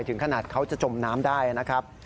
ถึงขนาดเขาจะจมน้ำได้นะครับ